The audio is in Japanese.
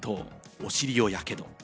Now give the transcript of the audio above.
お尻をやけど。